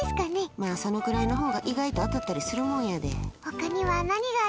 でもそのくらいのほうが意外と当たったりするもんやで。